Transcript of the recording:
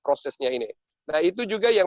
prosesnya ini nah itu juga yang